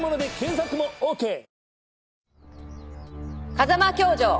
風間教場。